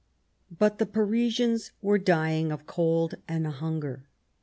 But the Parisians were dying of cold and hunger.